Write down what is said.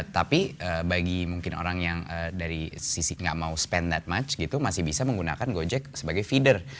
tapi bagi mungkin orang yang dari sisi gak mau spend that mutch gitu masih bisa menggunakan gojek sebagai feeder